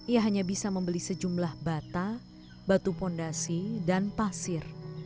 ia hanya bisa membeli sejumlah bata batu fondasi dan pasir